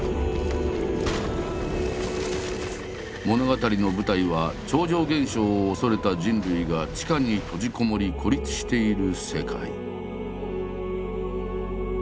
物語の舞台は超常現象を恐れた人類が地下に閉じこもり孤立している世界。